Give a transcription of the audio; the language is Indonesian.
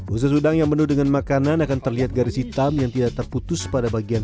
usus udang yang penuh dengan makanan akan terlihat garis hitam yang tidak terputus pada bagian